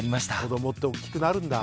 子どもって大きくなるんだ。